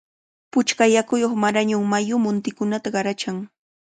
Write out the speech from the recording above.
Puchka yakuyuq Marañón mayu muntikunata qarachan.